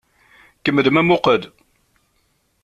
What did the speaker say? Kemmlem amuqqel!